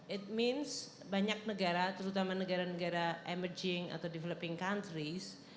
it means banyak negara terutama negara negara emerging atau developing countries